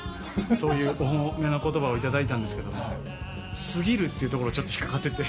そういうお褒めの言葉を頂いたんですけど「過ぎる」ってところちょっと引っ掛かってて。